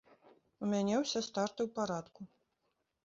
У мяне ўсе старты ў парадку.